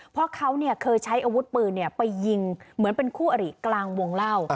เพราะเขาเคยใช้อาวุธปืนไปยิงเหมือนเป็นคู่อริกลางวงเล่า